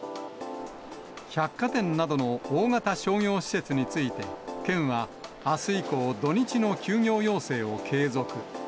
百貨店などの大型商業施設について、県は、あす以降、土日の休業要請を継続。